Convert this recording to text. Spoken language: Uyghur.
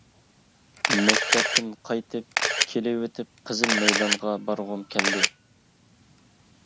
مەكتەپتىن قايتىپ كېلىۋېتىپ قىزىل مەيدانغا بارغۇم كەلدى.